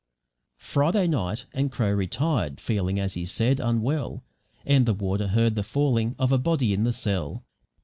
Friday night, and Crow retired, feeling, as he said, unwell; and the warder heard the falling of a body in the cell.